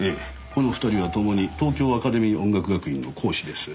この２人はともに東京アカデミー音楽学院の講師です。